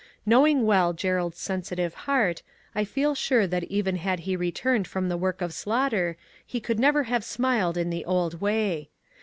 £[nowing well Gerald's sensitive heart, I feel sure that even had he returned from the work of slaughter he could never have smiled in the old way.